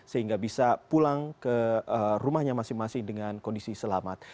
sehingga bisa pulang ke rumahnya masing masing dengan kondisi selamat